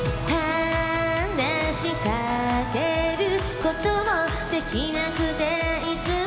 「話しかけることも出来なくていつも」